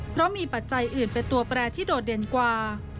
เพราะมีปัจจัยอื่นเป็นตัวแปรที่โดดเด่นกว่า